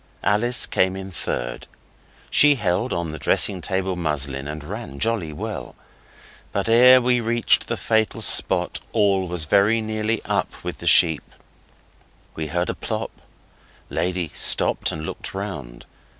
Alice came in third. She held on the dressing table muslin and ran jolly well. But ere we reached the fatal spot all was very nearly up with the sheep. We heard a plop; Lady stopped and looked round.